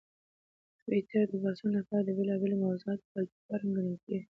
ټویټر د بحثونو لپاره د بېلابېلو موضوعاتو پلیټفارم ګڼل کېږي.